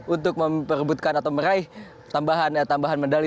untuk memperbutkan atau meraih tambahan medali